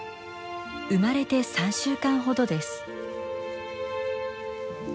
生まれて３週間ほどです。